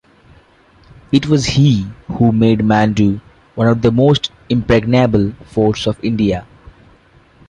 It was he who made Mandu one of the most impregnable forts of India.